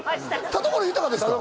田所豊です